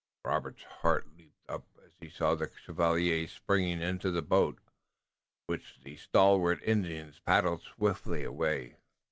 Robert's heart leaped up as he saw the chevalier spring into the boat, which the stalwart Indians paddled swiftly away.